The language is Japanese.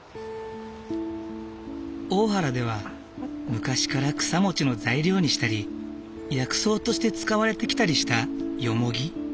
大原では昔から草餅の材料にしたり薬草として使われてきたりしたヨモギ。